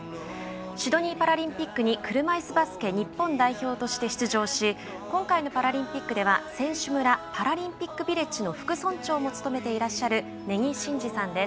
シドニーパラリンピックに車いすバスケ日本代表として出場し今回のパラリンピックでは選手村パラリンピックビレッジの副村長も務めていらっしゃる根木慎志さんです。